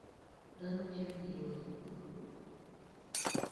Dhano tiyo gi yore mopog